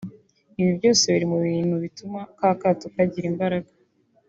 Ibyo byose biri mu bintu bituma ka kato kagira imbaraga